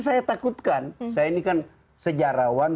saya takutkan saya ini kan sejarawan